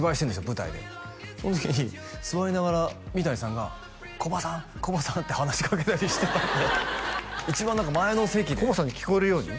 舞台でその時に座りながら三谷さんがこばさんこばさんって話しかけたりしてたって一番前の席でこばさんに聞こえるように？